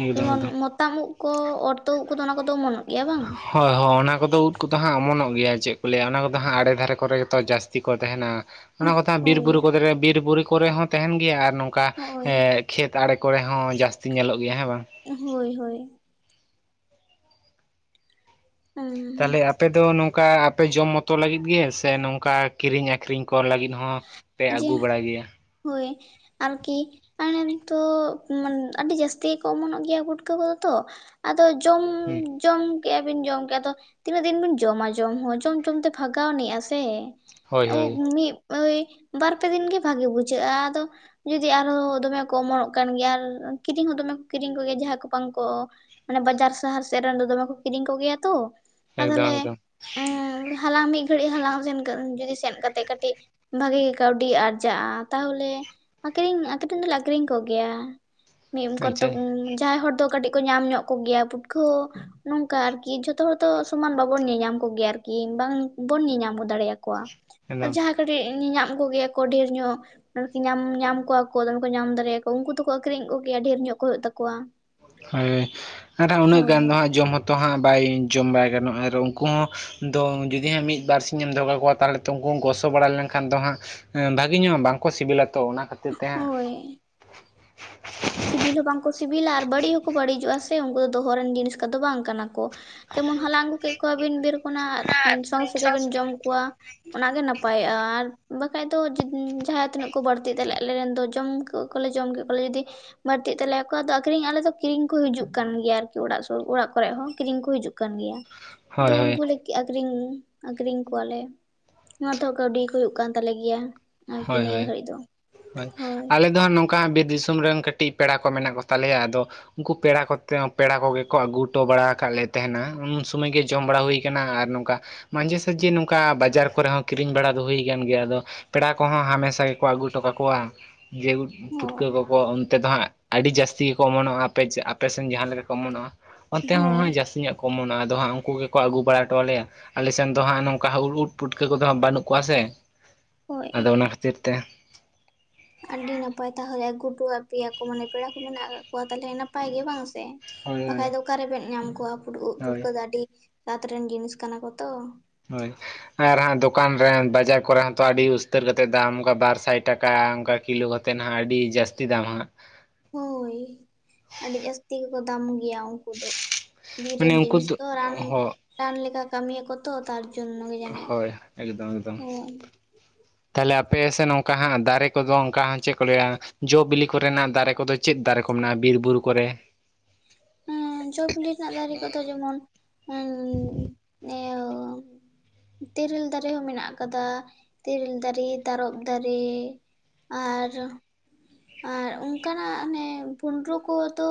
ᱮᱠᱫᱚᱢ ᱡᱮᱢᱚᱱ ᱮᱠᱫᱚᱢ ᱵᱚᱛᱟᱢ ᱩᱫ ᱠᱚ ᱚᱨ ᱛᱩᱫ ᱩᱫ ᱠᱚᱫᱚ ᱚᱱᱟ ᱠᱚᱫᱚ ᱚᱢᱚᱱᱚᱜ ᱜᱮᱭᱟ᱾ ᱵᱟᱝ? ᱦᱳᱭ ᱦᱳᱭ ᱚᱱᱟ ᱠᱚᱫᱚ ᱩᱫ ᱠᱚᱫᱚ ᱦᱟᱸᱜ ᱚᱢᱚᱱᱚᱜ ᱜᱮᱭᱟ ᱪᱮᱫ ᱠᱚ ᱞᱟᱹᱭᱼᱟ ᱚᱱᱟ ᱠᱚᱫᱚ ᱦᱟᱸᱜ ᱟᱲᱮ ᱫᱷᱟᱨᱮ ᱠᱚᱨᱮ ᱜᱮᱛᱚ ᱡᱟᱹᱥᱛᱤ ᱠᱚ ᱛᱟᱦᱮᱱᱟ᱾ ᱚᱱᱟ ᱠᱚᱫᱚ ᱦᱟᱸ ᱵᱤᱨ ᱦᱳᱭ ᱵᱩᱨᱩ ᱠᱚ ᱫᱷᱟᱨᱮ ᱵᱤᱨ ᱵᱩᱨᱩ ᱠᱚᱨᱮ ᱦᱚᱸ ᱛᱟᱦᱮᱱ ᱜᱮᱭᱟ ᱟᱨ ᱱᱚᱝᱠᱟ ᱦᱳᱭ ᱮ ᱠᱷᱮᱛ ᱟᱲᱮ ᱠᱚᱨᱮ ᱦᱚᱸ ᱡᱟᱹᱥᱛᱤ ᱧᱮᱞᱚᱜ ᱜᱮᱭᱟ ᱦᱮᱸ ᱵᱟᱝ᱾ ᱮᱸ ᱦᱳᱭ ᱦᱳᱭ᱾ ᱛᱟᱦᱚᱞᱮ ᱟᱯᱮ ᱫᱚ ᱱᱚᱝᱠᱟ ᱟᱯᱮ ᱡᱚᱢ ᱢᱚᱛᱚ ᱞᱟᱹᱜᱤᱫ ᱜᱮ ᱥᱮ ᱱᱚᱝᱠᱟ ᱠᱤᱨᱤᱧ ᱟᱹᱠᱷᱨᱤᱧ ᱠᱚ ᱞᱟᱹᱜᱤᱫ ᱦᱚᱸ? ᱦᱚᱸ ᱯᱮ ᱡᱮ ᱟᱹᱜᱩ ᱵᱟᱲᱟ ᱜᱮᱭᱟ᱾ ᱦᱳᱭ᱾ ᱟᱨᱠᱤ ᱟᱞᱮ ᱱᱤᱛᱚᱜ ᱢᱟᱱᱮ ᱟᱹᱰᱤ ᱡᱟᱹᱥᱛᱤ ᱜᱮᱠᱚ ᱚᱢᱚᱱᱚᱜ ᱜᱮᱭᱟ ᱯᱩᱴᱠᱟᱹ ᱠᱚᱫᱚ ᱛᱚ᱾ ᱟᱫᱚ ᱡᱚᱢ ᱦᱮᱸ᱾ ᱡᱚᱢ ᱠᱮᱫᱼᱟ ᱵᱤᱱ ᱡᱚᱢ ᱠᱮᱫᱼᱟ ᱟᱫᱚ ᱛᱤᱱᱟᱹᱜ ᱫᱤᱱ ᱵᱤᱱ ᱡᱚᱢᱟ ᱡᱚᱢ ᱦᱚᱸ ᱡᱚᱢ ᱡᱚᱢᱛᱮ ᱵᱷᱟᱜᱟᱣ ᱟᱱᱤᱜᱼᱟ ᱥᱮ᱾ ᱦᱳᱭ ᱦᱳᱭ ᱩᱫ ᱢᱤᱫ ᱳᱭ ᱵᱟᱨᱯᱮ ᱫᱤᱱ ᱜᱮ ᱵᱷᱟᱜᱮ ᱵᱩᱡᱷᱟᱹᱜᱼᱟ᱾ ᱟᱫᱚ ᱡᱩᱫᱤ ᱟᱨᱦᱚᱸ ᱫᱚᱢᱮ ᱠᱚ ᱚᱢᱚᱱᱚᱜ ᱠᱟᱱ ᱜᱮᱭᱟ ᱟᱨ ᱠᱤᱨᱤᱧ ᱦᱚᱸ ᱫᱚᱢᱮ ᱠᱚ ᱠᱤᱨᱤᱧ ᱠᱚᱜᱮᱭᱟ ᱡᱟᱦᱟᱸᱭ ᱠᱚ ᱵᱟᱝᱠᱚ ᱢᱟᱱᱮ ᱵᱟᱡᱟᱨ ᱥᱟᱦᱟᱨ ᱥᱮᱫ ᱨᱮᱱ ᱫᱚ ᱫᱚᱢᱮ ᱠᱚ ᱠᱤᱨᱤᱧ ᱠᱚᱜᱮᱭᱟ ᱛᱚ ᱟᱫᱚ ᱮᱠᱫᱚᱢ ᱛᱟᱦᱚᱞᱮ ᱮᱠᱫᱚᱢ ᱦᱟᱞᱟᱝ ᱢᱤᱫ ᱜᱷᱟᱹᱲᱤᱡ ᱦᱟᱞᱟᱝ ᱥᱮᱱ ᱡᱩᱫᱤ ᱥᱮᱱ ᱠᱟᱛᱮᱜ ᱠᱟᱹᱴᱤᱡ ᱵᱷᱟᱜᱤ ᱜᱮ ᱠᱟᱹᱣᱰᱤ ᱟᱨᱡᱟᱜᱼᱟ ᱛᱟᱦᱚᱞᱮ ᱟᱹᱠᱷᱨᱤᱧ ᱟᱹᱠᱷᱨᱤᱧ ᱫᱚᱞᱮ ᱟᱹᱠᱷᱨᱤᱧ ᱠᱚᱜᱮᱭᱟ ᱢᱤᱫ ᱠᱚ ᱟᱪᱪᱷᱟ ᱡᱟᱦᱟᱸᱭ ᱦᱚᱲ ᱫᱚ ᱠᱟᱹᱴᱤᱡ ᱠᱚ ᱧᱟᱢ ᱧᱚᱜ ᱠᱚᱜᱮᱭᱟ ᱯᱩᱴᱷᱠᱟᱹ ᱱᱚᱝᱠᱟ ᱟᱨᱠᱤ ᱡᱷᱚᱛᱚ ᱦᱚᱲ ᱫᱚ ᱥᱚᱢᱟᱱ ᱵᱟᱵᱚᱱ ᱧᱮᱧᱟᱢ ᱠᱚᱜᱮᱭᱟ ᱟᱨᱠᱤ ᱵᱟᱝᱵᱚᱱ ᱧᱮᱧᱟᱢ ᱠᱚ ᱫᱟᱲᱮᱭᱟᱠᱚᱣᱟ ᱠᱚᱣᱟ ᱮᱠᱫᱚᱢ ᱡᱟᱦᱟᱸ ᱠᱟᱹᱴᱤᱡ ᱧᱮᱧᱟᱢ ᱠᱚᱜᱮᱭᱟ ᱠᱚ ᱰᱷᱮᱨ ᱧᱚᱜ ᱟᱨᱠᱤ ᱧᱟᱢ ᱧᱟᱢ ᱠᱚᱣᱟ ᱠᱚ ᱫᱚᱢᱮ ᱠᱚ ᱧᱟᱢ ᱫᱟᱲᱮᱭᱟᱠᱚᱣᱟ ᱩᱱᱠᱩ ᱫᱚᱠᱚ ᱟᱹᱠᱷᱨᱤᱧ ᱠᱚᱜᱮᱭᱟ ᱰᱷᱮᱨ ᱧᱚᱜ ᱠᱚ ᱦᱩᱭᱩᱜ ᱛᱟᱠᱚᱣᱟ ᱦᱳᱭ ᱟᱨ ᱩᱱᱟᱹᱜ ᱦᱳᱭ ᱜᱟᱱ ᱫᱚ ᱦᱟᱸᱜ ᱡᱚᱢ ᱦᱚᱸ ᱛᱚ ᱛᱚ ᱦᱟᱸᱜ ᱵᱟᱭ ᱡᱚᱢ ᱵᱟᱭ ᱜᱟᱱᱚᱜᱼᱟ ᱟᱨ ᱩᱱᱠᱩ ᱦᱚᱸ ᱫᱚ ᱡᱩᱫᱤ ᱦᱟᱸᱜ ᱢᱤᱫ ᱵᱟᱨ ᱥᱤᱧ ᱮᱢ ᱫᱚᱦᱚ ᱠᱟᱠᱳᱼᱟ ᱛᱟᱦᱚᱞᱮ ᱛᱚ ᱩᱱᱠᱩ ᱜᱚᱥᱚ ᱵᱟᱲᱟ ᱞᱮᱱᱠᱷᱟᱱ ᱫᱚ ᱦᱟᱸᱜ ᱵᱷᱟᱹᱜᱤ ᱧᱚᱜᱼᱟ ᱵᱟᱝᱠᱚ ᱥᱤᱵᱤᱞᱟ ᱛᱚ ᱚᱱᱟ ᱠᱷᱟᱹᱛᱤᱨ ᱛᱮ ᱦᱟᱸᱜ᱾ ᱦᱳᱭ ᱥᱤᱵᱤᱞ ᱦᱚᱸ ᱵᱟᱝᱠᱚ ᱥᱤᱵᱤᱞᱟ ᱟᱨ ᱵᱟᱹᱲᱤᱡ ᱦᱚᱸᱠᱚ ᱵᱟᱹᱲᱤᱡᱚᱜᱼᱟ ᱥᱮ ᱩᱱᱠᱩ ᱫᱚᱦᱚ ᱨᱮᱱ ᱡᱤᱱᱤᱥ ᱠᱚᱫᱚ ᱵᱟᱝ ᱠᱟᱱᱟ ᱠᱚ᱾ ᱡᱮᱢᱚᱱ ᱦᱚᱞᱟᱝ ᱟᱹᱜᱩ ᱠᱮᱫ ᱠᱚᱣᱟᱵᱤᱱ ᱵᱤᱨ ᱠᱷᱚᱱᱟᱜ ᱥᱚᱝ ᱥᱚᱸᱜᱮ ᱵᱤᱱ ᱡᱚᱢ ᱠᱚᱣᱟ᱾ ᱚᱱᱟᱜ ᱜᱮ ᱱᱟᱯᱟᱭᱚᱜᱼᱟ ᱟᱨ ᱵᱟᱠᱷᱟᱡ ᱫᱚ ᱡᱟᱦᱟᱸ ᱛᱤᱱᱟᱹᱜ ᱠᱚ ᱵᱟᱹᱲᱛᱤᱜ ᱛᱟᱞᱮ ᱟᱞᱮᱨᱮᱱ ᱫᱚ ᱡᱚᱢ ᱩᱫ ᱠᱚᱞᱮ ᱡᱚᱢ ᱠᱮᱫ ᱠᱚᱣᱟᱞᱮ ᱡᱩᱫᱤ ᱵᱟᱹᱲᱛᱤᱜ ᱛᱟᱞᱮᱭᱟᱠᱚ ᱟᱫᱚ ᱟᱹᱠᱷᱨᱤᱧ ᱟᱞᱮ ᱫᱚ ᱠᱤᱨᱤᱧ ᱠᱚ ᱦᱤᱡᱩᱜ ᱠᱟᱱ ᱜᱮᱭᱟ ᱟᱨᱠᱤ ᱚᱲᱟᱜ ᱥᱩᱨ ᱚᱲᱟᱜ ᱠᱚᱨᱮᱜ ᱦᱚᱸ ᱠᱤᱨᱤᱧ ᱠᱚ ᱦᱤᱡᱩᱜ ᱠᱟᱱ ᱜᱮᱭᱟ᱾ ᱫᱩ ᱦᱳᱭ ᱦᱳᱭ ᱩᱱᱠᱩ ᱞᱮ ᱠᱮᱜ ᱟᱠᱷᱨᱤᱧ ᱟᱠᱷᱨᱤᱧ ᱠᱚᱣᱟᱞᱮ ᱚᱱᱟ ᱛᱮᱦᱚᱸ ᱠᱟᱹᱣᱰᱤ ᱠᱚ ᱦᱩᱭᱩᱜ ᱠᱟᱱ ᱛᱟᱞᱮ ᱜᱮᱭᱟ ᱟᱨᱠᱤ ᱦᱳᱭ ᱱᱤᱭᱟᱹ ᱦᱳᱭ ᱜᱷᱟᱹᱲᱤᱡ ᱫᱚ ᱦᱳᱭ ᱟᱞᱮ ᱫᱚ ᱦᱟᱸᱜ ᱱᱚᱝᱼᱼ ᱚᱱᱠᱟ ᱵᱤᱨ ᱫᱤᱥᱚᱢ ᱨᱮᱱ ᱠᱟᱹᱴᱤᱡ ᱯᱮᱲᱟ ᱠᱚ ᱢᱮᱱᱟᱜ ᱠᱚ ᱛᱟᱞᱮᱭᱟ ᱟᱫᱚ ᱩᱱᱠᱩ ᱯᱮᱲᱟ ᱠᱚᱛᱮ ᱯᱮᱲᱟ ᱠᱚᱜᱮ ᱠᱚ ᱟᱹᱜᱩ ᱦᱚᱴᱚ ᱵᱟᱲᱟ ᱟᱠᱟᱫ ᱞᱮ ᱛᱟᱦᱮᱸᱱᱟ ᱩᱱ ᱥᱚᱢᱚᱭ ᱜᱮ ᱡᱚᱢ ᱵᱟᱲᱟ ᱦᱩᱭ ᱠᱟᱱᱟᱟ ᱟᱨ ᱱᱚᱝᱠᱟ ᱢᱟᱡᱷᱮ ᱥᱟᱡᱷᱮ ᱱᱚᱝᱠᱟ ᱵᱟᱡᱟᱨ ᱠᱚᱨᱮ ᱦᱚᱸ ᱠᱤᱨᱤᱧ ᱵᱟᱲᱟ ᱫᱚ ᱦᱩᱭ ᱟᱠᱟᱱ ᱜᱮᱭᱟ ᱟᱫᱚ ᱯᱮᱲᱟ ᱠᱚᱦᱚᱸ ᱦᱟᱢᱮᱥᱟ ᱜᱮᱠᱚ ᱟᱹᱜᱩ ᱦᱚᱴᱚ ᱠᱟᱠᱚᱣᱟ ᱡᱮᱦᱮᱛᱩ ᱦᱳᱭ ᱯᱩᱴᱠᱟᱹ ᱠᱚᱠᱚ ᱚᱱᱛᱮ ᱫᱚ ᱦᱟᱸᱜ ᱟᱹᱰᱤ ᱡᱟᱹᱥᱛᱤ ᱜᱮᱠᱚ ᱚᱢᱚᱱᱚᱜᱼᱟ ᱟᱯᱮᱥᱱ ᱡᱟᱦᱟᱸ ᱞᱮᱠᱟ ᱠᱚ ᱚᱢᱚᱱᱚᱜᱼᱟ ᱚᱱᱛᱮ ᱦᱚᱸ ᱦᱳᱭ ᱩᱱᱟᱹᱜ ᱡᱟᱹᱥᱛᱤ ᱧᱚᱜ ᱠᱚ ᱚᱢᱚᱱᱚᱜᱼᱟ ᱟᱫᱚ ᱦᱟᱸᱜ ᱩᱱᱠᱩ ᱜᱮᱠᱚ ᱟᱹᱜᱩ ᱵᱟᱲᱟ ᱦᱚᱴᱚ ᱟᱞᱮᱭᱟ ᱟᱞᱮ ᱥᱮᱫ ᱫᱚ ᱦᱟᱸᱜ ᱱᱚᱝᱠᱟ ᱩᱫ ᱯᱩᱴᱠᱟᱹ ᱠᱚᱫᱚ ᱦᱟᱸᱜ ᱵᱟᱹᱱᱩᱜ ᱠᱚᱣᱟ ᱥᱮ ᱦᱳᱭ ᱟᱫᱚ ᱚᱱᱟ ᱠᱷᱟᱹᱛᱤᱨ ᱛᱮ ᱟᱹᱰᱤ ᱱᱟᱯᱟᱭ ᱛᱟᱦᱚᱞᱮ ᱟᱹᱜᱩ ᱴᱚᱣᱟ ᱯᱮᱭᱟ ᱠᱚ ᱢᱟᱱᱮ ᱯᱮᱲᱟ ᱠᱚ ᱢᱮᱱᱟᱜ ᱠᱟᱫ ᱠᱚᱣᱟ ᱛᱟᱦᱚᱞᱮ ᱱᱟᱯᱟᱭ ᱜᱮ ᱵᱟᱝ ᱦᱳᱭ ᱦᱳᱭ ᱵᱟᱠᱷᱟᱡ ᱫᱚ ᱚᱠᱟ ᱨᱮᱵᱮᱱ ᱧᱟᱢ ᱠᱚᱣᱟ ᱯᱷᱩᱨᱩ ᱩᱫ ᱦᱳᱭ ᱯᱷᱩᱴᱠᱟᱹ ᱫᱚ ᱟᱹᱰᱤ ᱥᱟᱛ ᱨᱮᱱ ᱡᱤᱱᱤᱥ ᱠᱟᱱᱟ ᱠᱚ ᱛᱚ ᱦᱳᱭ ᱟᱨ ᱦᱟᱸᱜ ᱫᱚᱠᱟᱱ ᱨᱮ ᱵᱟᱡᱟᱨ ᱠᱚᱨᱮ ᱦᱚᱸᱛᱚ ᱟᱹᱰᱤ ᱩᱥᱛᱟᱹᱨ ᱠᱟᱛᱮᱫ ᱫᱟᱢ ᱚᱱᱠᱟ ᱵᱟᱨ ᱥᱟᱭ ᱴᱟᱠᱟ ᱚᱱᱠᱟ ᱠᱤᱞᱳ ᱠᱟ ᱠᱟᱛᱮᱫ ᱦᱟᱜ ᱟᱹᱰᱤ ᱡᱟᱹᱥᱛᱤ ᱫᱟᱢᱼᱦᱟᱜ ᱦᱳᱭ ᱟᱹᱰᱤ ᱡᱟᱹᱥᱛᱤ ᱜᱮᱠᱚ ᱫᱟᱢ ᱜᱮᱭᱟ ᱩᱱᱠᱩ ᱫᱚ ᱵᱤᱨ ᱢᱟᱱᱮ ᱨᱮᱱ ᱩᱱᱠᱩ ᱡᱤᱱᱤᱥ ᱫᱚ ᱛᱚ ᱨᱟᱱ ᱦᱚᱸ ᱨᱟᱱ ᱞᱮᱠᱟ ᱠᱟᱹᱢᱤᱭᱟ ᱠᱚ ᱛᱚ ᱛᱟᱨ ᱡᱚᱱᱱᱚ ᱜᱮ ᱡᱟ. ᱱᱤᱡ ᱦᱳᱭ ᱛᱟᱦᱞᱮ ᱟᱯᱮ ᱥᱮᱫ ᱚᱱᱠᱟ ᱦᱟᱸᱜ ᱫᱟᱨᱮ ᱠᱚᱫᱚ ᱚᱱᱠᱟ ᱦᱟᱜ ᱪᱮᱫ ᱠᱚ ᱞᱟᱹᱭᱟ ᱡᱚ ᱵᱤᱞᱤ ᱠᱚᱨᱮᱱᱟᱜ ᱫᱟᱨᱮ ᱠᱚᱫᱚ ᱪᱮᱫ ᱫᱟᱨᱮ ᱠᱚ ᱢᱮᱱᱟᱜᱼᱟ ᱵᱤᱨ ᱵᱩᱨᱩ ᱠᱚᱨᱮ ᱦᱮᱸ ᱡᱚ ᱵᱤᱞᱤ ᱨᱮᱱᱟᱜ ᱫᱟᱨᱮ ᱠᱚᱫᱚ ᱡᱮᱢᱚᱱ ᱮ [inaudible] ᱛᱤᱨᱤᱞ ᱫᱟᱨᱮ ᱦᱚᱸ ᱢᱮᱱᱟᱜ ᱟᱠᱟᱫᱟ ᱛᱤᱨᱤᱞ ᱫᱟᱨᱮ ᱛᱟᱨᱚᱵ ᱫᱟᱨᱮ ᱟᱨ ᱟᱨ ᱚᱱᱠᱟᱱᱟᱜ ᱚᱱᱮ ᱵᱷᱩᱸᱰᱨᱩ ᱠᱚᱫᱚ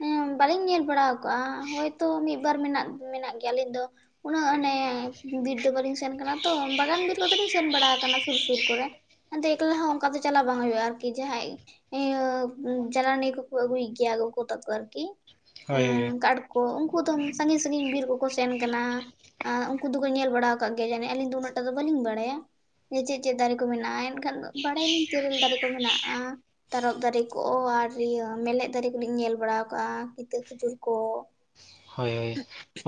ᱦᱮ ᱵᱟᱹᱞᱤᱧ ᱧᱮᱞ ᱵᱟᱲᱟ ᱟᱠᱟᱜᱼᱟ ᱦᱳᱭᱛᱚ ᱢᱤᱫ ᱵᱟᱨ ᱢᱮᱱᱟᱜ ᱜᱮ ᱢᱮᱱᱟᱜ ᱜᱮᱭᱟ ᱟ. ᱞᱤᱡ ᱫᱚ ᱩᱱᱟᱹᱜ ᱟᱱᱮ ᱵᱤᱨ ᱫᱚ ᱵᱟ. ᱞᱤᱧ ᱥᱮᱱ ᱠᱟᱱᱟ ᱛᱚ ᱵᱟᱜᱟᱱ ᱵᱤᱨ ᱠᱚ ᱫᱚᱧ ᱥᱮᱱ ᱵᱟᱲᱟ ᱟᱠᱟᱱᱟ ᱥᱩᱨ ᱥᱩᱨ ᱠᱚᱨᱮ ᱮᱠᱞᱟ ᱦᱚᱸ ᱚᱱᱠᱟ ᱫᱚ ᱪᱟᱞᱟᱣ ᱵᱟᱝ ᱦᱩᱭᱩᱜᱼᱟ ᱟᱨᱠᱤ ᱡᱟᱦᱟᱸᱭ ᱤᱭᱟᱹ ᱡᱟᱞᱟᱱᱤ ᱠᱚ ᱠᱚ ᱟᱜᱩᱭ ᱜᱮᱭᱟ ᱜᱚᱜᱚ ᱛᱟᱠᱚ ᱟᱨᱠᱤ ᱦᱳᱭ ᱻ [unintelligible] ᱠᱟᱴ ᱠᱚ ᱩᱱᱠᱩ ᱫᱚ ᱥᱟᱺᱜᱤᱧ ᱥᱟᱺᱜᱤᱧ ᱵᱤᱨ ᱠᱚ ᱠᱚ ᱥᱮᱱ ᱠᱟᱱᱟ ᱟᱨ ᱩᱱᱠᱩ ᱫᱚ ᱠᱚ ᱧᱮᱞ ᱵᱟᱲᱟ ᱠᱟᱜ ᱜᱮᱭᱟ ᱦᱟᱵᱤᱡ ᱟᱞᱤᱧ ᱫᱚ ᱩᱱᱟᱹᱜ ᱴᱟᱜ ᱫᱚ ᱵᱟᱹᱞᱤᱧ ᱵᱟᱲᱟᱭᱟ ᱡᱮ ᱪᱮᱫ ᱪᱮᱫ ᱫᱟᱨᱮ ᱠᱚ ᱢᱮᱱᱟᱜᱼᱟ ᱮᱱᱠᱷᱟᱱ ᱵᱟᱲᱟᱭ ᱟ. ᱞᱤᱧ ᱛᱮᱨᱮᱞ ᱫᱟᱨᱮ ᱠᱚ ᱢᱮᱱᱟᱜᱼᱟᱼᱼ ᱛᱟᱨᱚᱵ ᱫᱟᱨᱮ ᱠᱚ ᱟᱨ ᱤᱭᱟᱹ ᱢᱮᱨᱞᱮᱡ ᱫᱟᱨᱮ ᱠᱩᱞᱤᱧ ᱧᱮᱞ ᱵᱟᱲᱟᱣ ᱠᱟᱜᱼᱟ, ᱠᱤᱛᱟᱹ ᱠᱷᱤᱡᱩᱨ ᱠᱚ᱾ ᱦᱳᱭ ᱳᱭ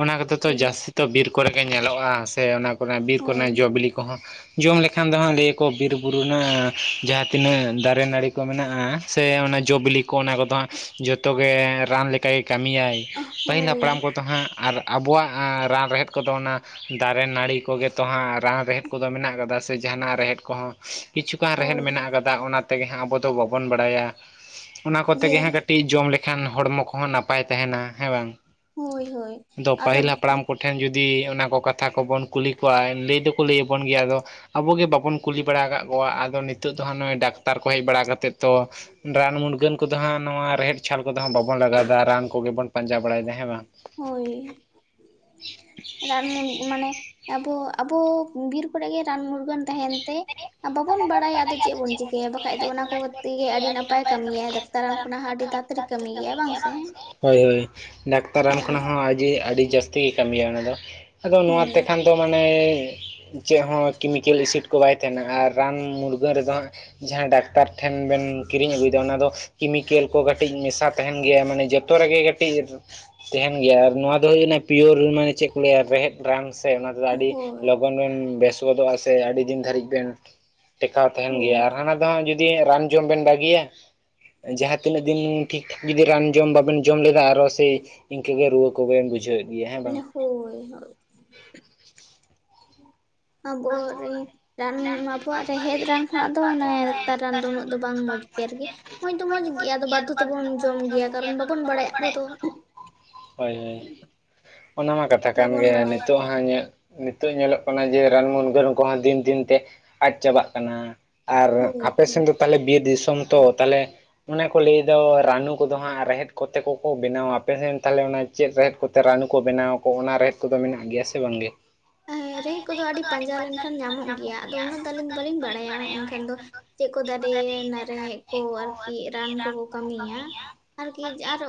ᱚᱱᱟ ᱠᱚ ᱫᱚ ᱛᱚ ᱡᱟᱹᱥᱛᱤ ᱛᱚ ᱵᱤᱨ ᱠᱚᱨᱮ ᱜᱮ ᱧᱮᱞᱚᱜᱼᱟ, ᱥᱮ ᱚᱱᱟ ᱚᱱᱟ ᱵᱤᱨ ᱠᱚᱨᱮ ᱦᱳᱭ ᱱᱟᱜ ᱡᱚ ᱵᱤᱞᱤ ᱠᱚ ᱦᱚᱸ ᱡᱚᱢ ᱞᱮᱠᱷᱟᱱ ᱫᱚ ᱦᱟᱸᱜ ᱞᱟᱹᱭᱟᱹ ᱠᱚ ᱵᱤᱨᱼᱵᱩᱨᱩ ᱨᱮᱱᱟᱜ ᱡᱟᱦᱟᱸ ᱛᱤᱱᱟᱹᱜ ᱫᱟᱨᱮ ᱱᱟᱹᱲᱤ ᱠᱚ ᱢᱮᱱᱟᱜᱼᱟ ᱾ ᱥᱮ ᱚᱱᱮ ᱡᱚ ᱵᱤᱞᱤ ᱠᱚ ᱚᱱᱟ ᱠᱚ ᱫᱚ ᱦᱟᱸᱜ ᱡᱚᱛᱚ ᱜᱮ ᱨᱟᱱ ᱞᱮᱠᱟᱜᱮ ᱠᱟᱹᱢᱤᱭᱟᱭ, ᱯᱟᱹᱦᱤᱞ ᱦᱟᱯ ᱦᱳᱭ ᱠᱚ ᱫᱚ ᱦᱟᱸᱜ ᱟᱨ ᱟᱵᱚᱣᱟᱜ ᱮᱸ ᱨᱟᱱ ᱨᱮᱦᱮᱫ ᱠᱚ ᱫᱚ ᱚᱱᱟ ᱫᱟᱨᱮ ᱱᱟᱹᱲᱤ ᱠᱚᱜᱮ ᱛᱚ ᱦᱟᱸᱜ ᱨᱟᱱ ᱨᱮᱦᱮᱫ ᱠᱚ ᱫᱚ ᱢᱮᱱᱟᱜ ᱠᱟᱫᱟ, ᱥᱮ ᱡᱟᱦᱟ ᱱᱟᱜ ᱨᱮᱦᱮᱫ ᱠᱚ ᱦᱚᱸ ᱠᱤᱪᱷᱩ ᱜᱟᱱ ᱨᱮᱦᱮᱫ ᱦᱳᱭ ᱢᱮᱱᱟᱜ ᱟᱠᱟᱫᱟ ᱚᱱᱟ ᱛᱮᱜᱮ ᱦᱟᱸᱜ ᱟᱵᱚ ᱫᱚ ᱵᱟᱵᱚᱱ ᱵᱟᱲᱟᱭᱟ ᱚᱱᱟ ᱠᱚᱛᱮ ᱡᱮ ᱜᱮ ᱦᱟᱸᱜ ᱠᱟᱹᱴᱤᱡ ᱡᱚᱢ ᱞᱮᱠᱷᱟᱱ ᱦᱚᱲᱢᱚ ᱠᱚ ᱦᱚᱸ ᱱᱟᱯᱟᱭ ᱛᱟᱦᱮᱱᱟ ᱦᱮᱸ ᱵᱟᱝ ᱦᱳᱭ ᱦᱳᱭ ᱟᱫᱚ ᱴᱷᱮᱱ ᱡᱩᱫᱤ ᱚᱱᱟ ᱠᱚ ᱠᱟᱛᱷᱟ ᱠᱚᱵᱚᱱ ᱠᱩᱞᱤ ᱠᱚᱣᱟ ᱞᱟᱹᱭ ᱫᱚ ᱠᱚ ᱞᱟᱹᱭ ᱟᱵᱚᱱ ᱜᱮᱭᱟ ᱟᱫᱚ ᱟᱵᱚ ᱜᱮ ᱵᱟᱵᱚᱱ ᱠᱩᱞᱤ ᱵᱟᱲᱟ ᱟᱠᱟᱫ ᱠᱚᱣᱟ ᱟᱫᱚ ᱱᱤᱛᱚᱜ ᱫᱚ ᱦᱟᱸᱜ ᱱᱚᱜᱼᱚᱭ ᱰᱟᱠᱛᱟᱨ ᱠᱚ ᱦᱮᱡ ᱵᱟᱲᱟ ᱠᱟᱛᱮᱫ ᱛᱚ ᱨᱟᱱ ᱢᱩᱨᱜᱟᱹᱱ ᱠᱚ ᱫᱚ ᱦᱟᱸᱜ ᱱᱚᱣᱟ ᱨᱮᱦᱮᱫ ᱪᱷᱟᱞ ᱠᱚ ᱫᱚ ᱦᱟᱸᱜ ᱵᱟᱵᱚᱱ ᱞᱟᱜᱟᱣ ᱮᱫᱟ ᱨᱟᱱ ᱠᱚ ᱜᱮ ᱵᱚᱱ ᱯᱟᱸᱡᱟ ᱵᱟᱲᱟᱭ ᱫᱟ ᱦᱮᱸ ᱵᱟᱝ ᱦᱳᱭ ᱨᱟᱱ ᱢᱩᱨ ᱢᱟᱱᱮ ᱟᱵᱚ ᱟᱵᱚ ᱵᱤᱨ ᱠᱚ ᱨᱮ ᱜᱮ ᱨᱟᱱ ᱢᱩᱨᱜᱟᱹᱱ ᱛᱟᱦᱮᱱ ᱛᱮ ᱟᱨ ᱵᱟᱵᱚ ᱵᱚᱱ ᱵᱟᱲᱟᱭᱟ ᱟᱫᱚ ᱪᱮᱫ ᱵᱚᱱ ᱪᱤᱠᱟᱹᱭᱟ ᱵᱟᱠᱷᱟᱡ ᱫᱚ ᱚᱱᱟ ᱠᱚ ᱜᱮ ᱛᱮ ᱜᱮ ᱟᱹᱰᱤ ᱱᱟᱯᱟᱭ ᱠᱟᱹᱢᱤᱭᱟᱭ ᱰᱟᱠᱛᱟᱨ ᱨᱟᱱ ᱠᱷᱚᱱᱟᱜ ᱦᱚᱸ ᱟᱹᱰᱤ ᱛᱟ ᱛᱤᱨᱤᱜ ᱠᱟᱹᱢᱤ ᱜᱮᱭᱟ ᱵᱟᱝ ᱥᱮ? ᱦᱳᱭ ᱰᱟᱠᱛᱟᱨ ᱨᱟᱱ ᱦᱳᱭ ᱠᱷᱚᱱᱟᱜ ᱦᱚᱸ ᱟᱹᱡᱮ ᱟᱹᱰᱤ ᱡᱟᱹᱥᱛᱤ ᱜᱮ ᱠᱟᱹᱢᱤᱭᱟᱭ ᱚᱱᱟ ᱫᱚ ᱾ ᱟᱫᱚ ᱱᱚᱣᱟ ᱦᱳᱭ ᱛᱮᱠᱷᱟᱱ ᱫᱚ ᱢᱟᱱᱮ ᱪᱮᱜ ᱦᱚᱸ ᱠᱮᱢᱤᱠᱮᱞ ᱤᱥᱤᱴ ᱠᱚ ᱵᱟᱭ ᱛᱟᱦᱮᱱᱟ ᱟᱨ ᱨᱟᱱ ᱢᱩᱨᱜᱟᱹᱱ ᱨᱮ ᱫᱚ ᱦᱟᱸᱜ ᱡᱟᱦᱟᱸ ᱰᱟᱠᱛᱟᱨ ᱴᱷᱮᱱ ᱵᱮᱱ ᱠᱤᱨᱤᱧ ᱟᱹᱜᱩᱭ ᱫᱟ ᱚᱱᱟ ᱫᱚ ᱠᱮᱢᱤᱠᱮᱞ ᱠᱚ ᱠᱟᱹᱴᱤᱡ ᱢᱮᱥᱟ ᱛᱟᱦᱮᱱ ᱜᱮᱭᱟ ᱢᱮᱱᱮ ᱡᱚ ᱛᱚ ᱨᱮᱜᱮ ᱠᱟᱹᱴᱤᱡ ᱛᱮᱦᱮᱱ ᱜᱮᱭᱟ ᱟᱨ ᱱᱚᱣᱟ ᱫᱚ ᱦᱩᱭ ᱠᱟᱱᱟ ᱯᱤᱭᱳᱨ ᱢᱟᱱᱮ ᱪᱮᱜ ᱠᱚ ᱞᱟᱹᱭᱟ ᱨᱮᱦᱮᱫ ᱨᱟᱱ ᱥᱮ ᱚᱱᱟ ᱛᱮᱫᱚ ᱟᱹᱰᱤ ᱦᱳᱭ ᱞᱚᱜᱚᱱ ᱵᱮᱱ ᱵᱮᱥ ᱜᱚᱫᱚᱜᱼᱟ ᱥᱮ ᱟᱹᱰᱤ ᱫᱤᱱ ᱫᱷᱟᱹᱨᱤᱡ ᱵᱮᱱ ᱴᱮᱠᱟᱣ ᱛᱮᱦᱮᱱ ᱜᱮᱭᱟ, ᱟᱨ ᱦᱳᱭ ᱦᱟᱱᱟ ᱫᱚ ᱦᱟᱸᱜ ᱡᱩ ᱤᱭᱟᱹ ᱨᱟᱱ ᱡᱚᱢ ᱵᱮᱱ ᱵᱟᱹᱜᱤᱭᱟ, ᱡᱟᱦᱟᱸ ᱛᱤᱱᱟᱹᱜ ᱫᱤᱱ ᱴᱷᱤᱠ ᱡᱩᱫᱤ ᱨᱟᱱ ᱡᱚᱢ ᱵᱟᱵᱮᱱ ᱡᱚᱢ ᱞᱮᱫᱟ ᱟᱨᱚ ᱥᱟᱹᱭ ᱤᱱᱠᱟᱹᱜᱮ ᱨᱩᱣᱟᱹ ᱠᱚ ᱵᱮᱱ ᱵᱩᱡᱷᱟᱹᱣ ᱮᱫ ᱜᱮᱭᱟ ᱾ ᱦᱮᱸ ᱵᱟᱝ? ᱦᱳᱭ [inaudible] ᱟᱵᱚ ᱨᱮ ᱨᱟᱱ ᱟᱵᱚᱣᱟᱜ ᱨᱮᱦᱮᱫ ᱨᱟᱱ ᱠᱷᱚᱱᱟᱜ ᱫᱚ ᱚᱱᱟ ᱟᱠᱛᱟᱨ ᱨᱟᱱ ᱫᱚ ᱩᱱᱟᱹᱜ ᱫᱚ ᱵᱟᱝ ᱢᱚᱡᱽ ᱾ ᱡᱮᱨ ᱜᱮ ᱢᱚᱸᱡᱽ ᱫᱚ ᱢᱚᱸᱡᱽ ᱜᱮ ᱟᱫᱚ ᱵᱟᱫᱽᱫᱷᱚ ᱛᱮᱵᱚᱱ ᱡᱚᱢ ᱜᱮᱭᱟ ᱠᱟᱨᱚᱱ ᱵᱟᱵᱚᱱ ᱵᱟᱲᱟᱭᱟ ᱟᱵᱚ ᱫᱚ᱾ ᱦᱚᱭ ᱦᱚᱭ, ᱚᱱᱟ ᱢᱟ ᱠᱟᱛᱷᱟ ᱠᱟᱱ ᱵᱟᱵᱚᱱ ᱜᱮ ᱵᱟᱲᱟᱭᱟ ᱱᱤᱛᱚᱜ ᱦᱟᱸ ᱧᱮ ᱱᱤᱛᱚᱜ ᱧᱮᱞᱚᱜ ᱠᱟᱱᱟ ᱡᱮ ᱨᱟᱱ ᱢᱩᱱᱜᱟᱹᱱ ᱠᱚᱦᱚᱸ ᱫᱤᱱ ᱫᱤᱱ ᱛᱮ ᱟᱫ ᱪᱟᱵᱟᱜ ᱠᱟᱱᱟ ᱾ ᱟᱨ ᱦᱳᱭ ᱟᱯᱮ ᱦᱳᱭ ᱥᱮᱱ ᱫᱚ ᱛᱟᱦᱚᱞᱮ ᱵᱤᱨ ᱫᱤᱥᱚᱢ ᱛᱚ ᱛᱟᱦᱚᱞᱮ ᱚᱱᱮ ᱠᱚ ᱞᱟᱹᱭ ᱫᱚ ᱨᱟᱱᱩ ᱠᱚ ᱫᱚ ᱦᱟᱸᱜ ᱨᱮᱦᱮᱫ ᱠᱚᱛᱮ ᱠᱚ ᱠᱚ ᱵᱮᱱᱟᱣᱟ ᱟᱯᱮ ᱥᱮᱱ ᱛᱟᱦᱚᱞᱮ ᱚᱱᱟ ᱪᱮᱫ ᱨᱮᱦᱮᱫ ᱠᱚᱛᱮ ᱨᱟᱱᱩ ᱠᱚ ᱵᱮᱱᱟᱣ ᱟᱠᱚ ᱚᱱᱟ ᱨᱮᱦᱮᱫ ᱠᱚ ᱫᱚ ᱢᱮᱱᱟᱜ ᱜᱮᱭᱟ ᱥᱮ ᱵᱟᱝ ᱜᱮ? ᱮᱸ ᱨᱮᱦᱮᱜ ᱠᱚ ᱫᱚ ᱟᱹᱰᱤ ᱯᱟᱸᱡᱟ ᱞᱮᱱ ᱠᱷᱟᱱ ᱧᱟᱢᱚᱜ ᱜᱮᱭᱟ ᱟᱫᱚ ᱩᱱᱟᱹᱜ ᱫᱚ ᱟᱹᱞᱤᱧ ᱫᱚ ᱵᱟᱹᱞᱤᱧ ᱵᱟᱲᱟᱭᱟ ᱮᱱ ᱠᱷᱟᱱ ᱫᱚ ᱪᱮᱜ ᱠᱚ ᱫᱟᱫᱮ ᱱᱟᱜ ᱨᱮᱦᱮᱜ ᱠᱚ ᱟᱨᱠᱤ ᱨᱟᱱ ᱠᱚ ᱠᱚ ᱠᱟᱹᱢᱤᱭᱟ ᱟᱨᱠᱤ ᱡᱟ-ᱟᱨᱚ